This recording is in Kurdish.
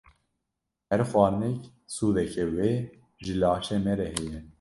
Her xwarinek sûdeke wê ji laşê me re heye.